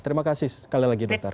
terima kasih sekali lagi dokter